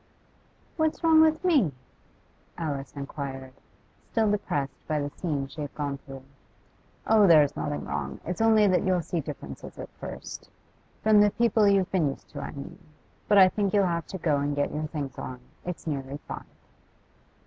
'What's wrong with me?' Alice inquired, still depressed by the scene she had gone through. 'Oh, there's nothing wrong. It's only that you'll see differences at first; from the people you've been used to, I mean. But I think you'll have to go and get your things on; it's nearly five.